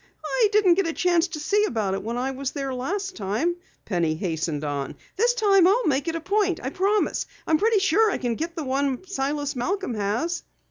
"I didn't get a chance to see about it when I was there last time," Penny hastened on. "This time I'll make it a point, I promise. I'm pretty sure I can get the one Silas Malcom has."